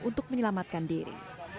untuk menyelamatkan diri